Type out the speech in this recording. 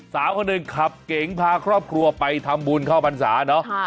สาวคนหนึ่งขับเก๋งพาครอบครัวไปทำบุญเข้าพรรษาเนอะ